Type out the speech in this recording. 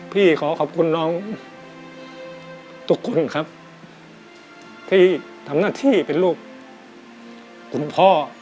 ขอขอบคุณน้องทุกคนครับที่ทำหน้าที่เป็นลูกคุณพ่อ